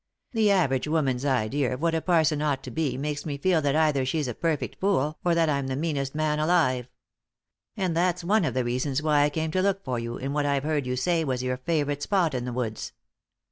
The average woman's idea of what a parson ought to be makes me feel that either she's a perfect fool or that I'm the meanest man alive. And that's one of the reasons why I came to look for you in what I've heard you say was your favourite spot in the woods.